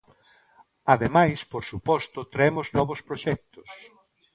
Ademais, por suposto, traemos novos proxectos.